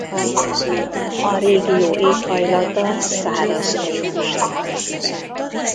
A régió éghajlata száraz trópusi.